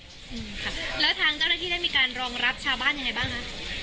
อืมค่ะแล้วทางเจ้าหน้าที่ได้มีการรองรับชาวบ้านยังไงบ้างคะ